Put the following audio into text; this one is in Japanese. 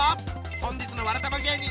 本日のわらたま芸人